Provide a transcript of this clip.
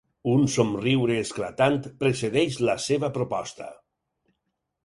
Un somriure esclatant precedeix la seva proposta.